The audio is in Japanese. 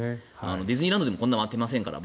ディズニーランドでもこんなに待てませんから。